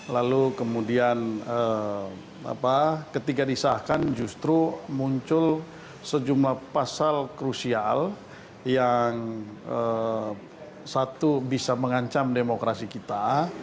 lalu kemudian ketika disahkan justru muncul sejumlah pasal krusial yang satu bisa mengancam demokrasi kita